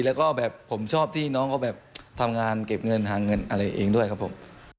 แล้วก็แบบผมชอบที่น้องเขาแบบทำงานเก็บเงินหาเงินอะไรเองด้วยครับผม